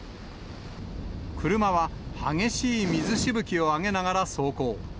車は激しい水しぶきを上げながら走行。